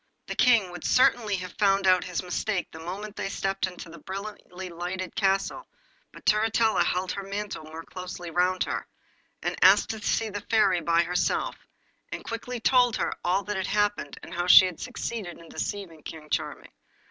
The King would certainly have found out his mistake the moment they stepped into the brilliantly lighted castle, but Turritella held her mantle more closely round her, and asked to see the Fairy by herself, and quickly told her all that had happened, and how she had succeeded in deceiving King Charming.